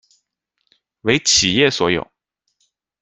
为企业所有。